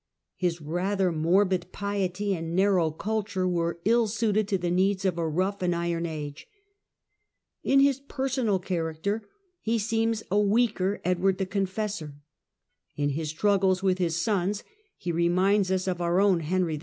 His rather morbid piety and narrow culture were ill suited to the needs of a rough and iron age. In his personal character he seems a weaker Edward the Confessor; in his struggles with his sons he reminds us of our own Henry II.